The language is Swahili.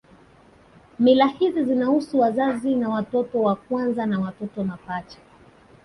Mila hizi zinahusu wazazi na watoto wa kwanza na watoto mapacha